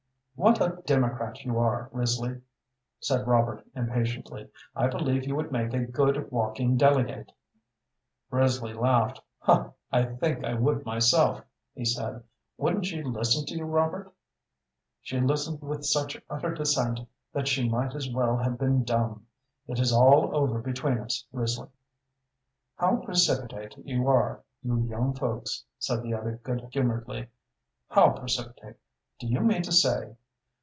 "What a democrat you are, Risley!" said Robert, impatiently. "I believe you would make a good walking delegate." Risley laughed. "I think I would myself," he said. "Wouldn't she listen to you, Robert?" "She listened with such utter dissent that she might as well have been dumb. It is all over between us, Risley." "How precipitate you are, you young folks!" said the other, good humoredly. "How precipitate? Do you mean to say